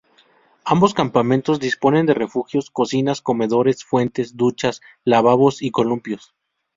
Ambos campamentos disponen de refugios, cocinas, comedores, fuentes, duchas, lavabos y columpios.